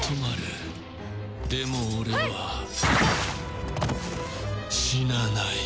でも俺は死なない。